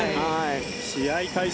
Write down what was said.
試合開始